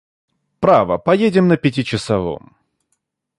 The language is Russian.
Право, поедем на пятичасовом!